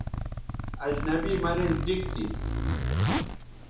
اجنبی مہ نِن ٹھیک تھی